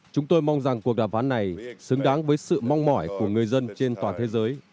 chúng tôi mong rằng cuộc đàm phán này xứng đáng với sự mong mỏi của người dân trên toàn thế giới